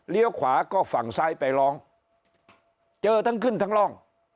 ขวาก็ฝั่งซ้ายไปร้องเจอทั้งขึ้นทั้งร่อง